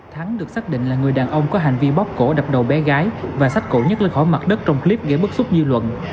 thắng được xác định là người đàn ông có hành vi bóc cổ đập đầu bé gái và sách cổ nhất lên khỏi mặt đất trong clip gây bức xúc dư luận